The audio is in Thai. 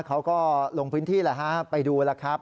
เขาก็ลงพื้นที่แล้วฮะไปดูแล้วครับ